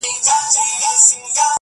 نوي کورونه جوړ سوي دلته ډېر,